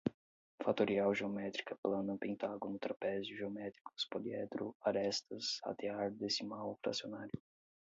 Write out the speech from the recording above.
fatorial, geométrica, plana, pentágono, trapézio, geométricos, poliedro, arestas, ratear, decimal, fracionário